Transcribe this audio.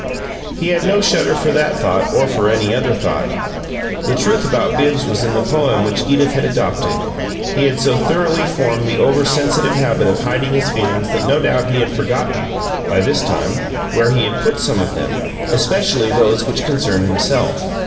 He had no shudder for that thought or for any other thought. The truth about Bibbs was in the poem which Edith had adopted: he had so thoroughly formed the over sensitive habit of hiding his feelings that no doubt he had forgotten by this time where he had put some of them, especially those which concerned himself.